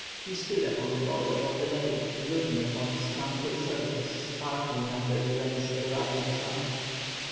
He stood upon the border of the lake, looking upon its tranquil surface sparkling under the rays of the rising sun.